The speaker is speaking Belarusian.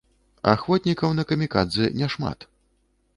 Ахвотнікаў на камікадзэ няшмат.